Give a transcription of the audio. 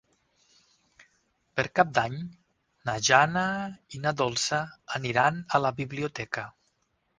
Per Cap d'Any na Jana i na Dolça aniran a la biblioteca.